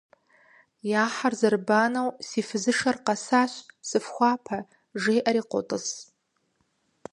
Я хьэр зэрыбанэу «Си фызышэр къэсащ, сыфхуапэ», — жеӏэри къотӏыс.